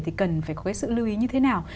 thì cần phải có cái sự lưu ý như thế nào